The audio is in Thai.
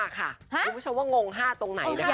คุณผู้ชมว่างง๕ตรงไหนนะคะ